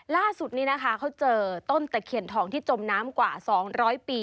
ล่าสุดนี้นะคะเขาเจอต้นตะเคียนทองที่จมน้ำกว่า๒๐๐ปี